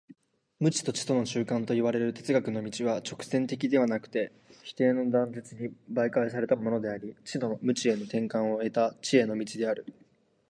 無知と知との中間といわれる哲学の道は直線的でなくて否定の断絶に媒介されたものであり、知の無知への転換を経た知への道である。